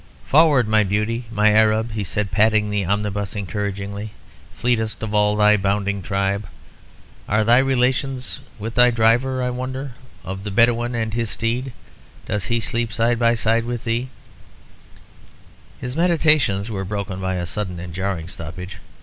"Forward, my beauty, my Arab," he said, patting the omnibus encouragingly, "fleetest of all thy bounding tribe. Are thy relations with thy driver, I wonder, those of the Bedouin and his steed? Does he sleep side by side with thee " His meditations were broken by a sudden and jarring stoppage.